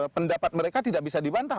pendapat mereka tidak bisa dibantah